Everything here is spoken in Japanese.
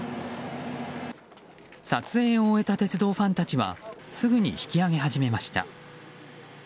撮影を終えた鉄道ファンたちはすぐに引き上げ始めました。